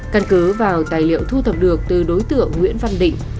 căn cứ vào tài liệu thu thập được từ đối tượng nguyễn văn định